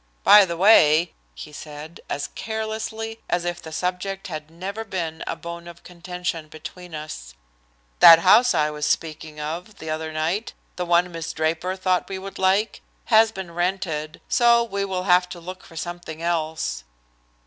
"By the way," he said, as carelessly as if the subject had never been a bone of contention between us, "that house I was speaking of the other night; the one Miss Draper thought we would like, has been rented, so we will have to look for something else."